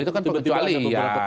itu kan pengecualian